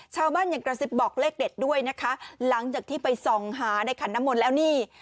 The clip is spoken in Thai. ชาวบ้านยังกระซิบบอกเลขเด็ดด้วยนะคะหลังจากที่ไปส่องหาในขันน้ำมนต์แล้วนี่